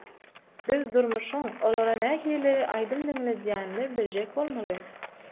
Biz durmuşyň olara nähili aýdym diňledýänini biljek bolmaly.